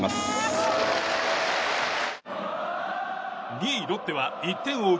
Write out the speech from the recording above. ２位ロッテは１点を追う